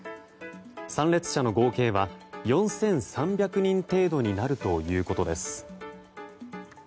参列者の合計は４３００人程度になるということです。